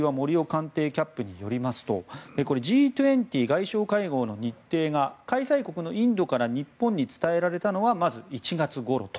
官邸キャップによりますとこれ、Ｇ２０外相会合の日程が開催国のインドから、日本に伝えられたのは１月ごろと。